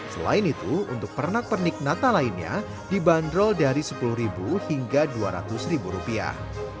selain itu untuk pernak pernik natal lainnya dibanderol dari sepuluh hingga dua ratus rupiah